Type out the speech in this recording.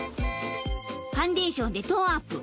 ファンデーションでトーンアップ。